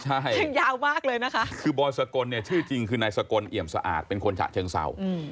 ใช่คือบรสกลชื่อจริงคือในสกลเหยียมสะอาดเป็นคนฉะเชิงเสา